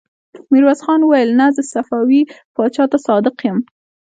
ميرويس خان وويل: نه! زه صفوي پاچا ته صادق يم.